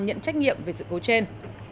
nhận trách nhiệm về sự cố trên